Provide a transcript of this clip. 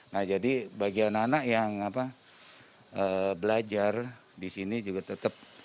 nah jadi bagi anak anak yang belajar di sini juga tetap